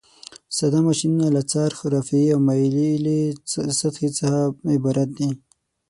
ساده ماشینونه له څرخ، رافعې او مایلې سطحې څخه عبارت دي.